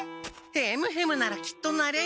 ヘムヘムならきっとなれる！